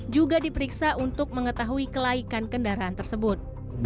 juga diperiksa untuk mengetahui kelaikan kendaraan tersebut